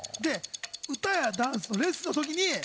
歌やダンスのレッスンの時に。